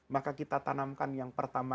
maka kita tanamkan yang pertama